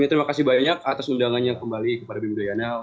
terima kasih banyak atas undangannya kembali kepada bimbi dalyana